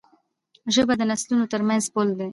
ژبه د نسلونو ترمنځ پُل دی.